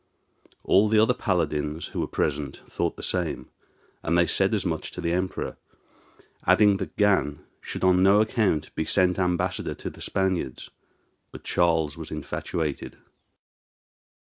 All the other paladins who were present thought the same, and they said as much to the Emperor, adding that Gan should on no account be sent ambassador to the Spaniards. But Charles was infatuated.